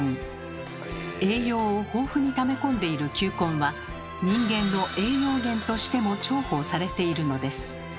栄養を豊富にため込んでいる球根は人間の栄養源としても重宝されているのです。